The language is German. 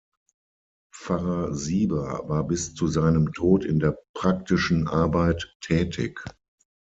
Pfarrer Sieber war bis zu seinem Tod in der praktischen Arbeit tätig.